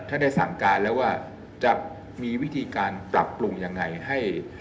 ถ้าได้สั่งการแล้วว่าจะมีวิธีการปรับปรุงยังไงให้